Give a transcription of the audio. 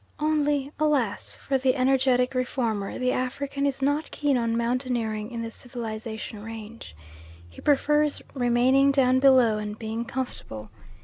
Only alas! for the energetic reformer the African is not keen on mountaineering in the civilisation range. He prefers remaining down below and being comfortable.